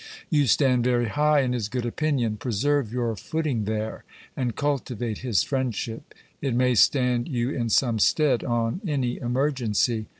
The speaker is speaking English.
You stand very high in his good opinion ; preserve your footing there, and cul tivate his friendship ; it may stand you in some stead on any emergency.